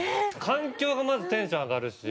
環境がまずテンション上がるし。